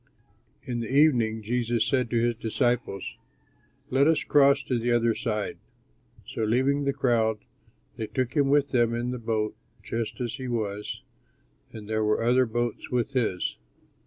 In the evening Jesus said to his disciples, "Let us cross to the other side." So, leaving the crowd, they took him with them in the boat just as he was; and there were other boats with his.